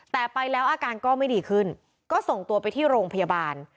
แต่ไปแล้วอาการก็ไม่ดีขึ้นก็ส่งตัวไปที่โรงพยาบาล